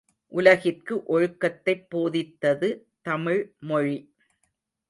உலகிற்கு ஒழுக்கத்தைப் போதித்தது தமிழ் மொழி.